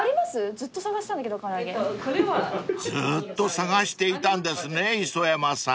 ［ずーっと探していたんですね磯山さん］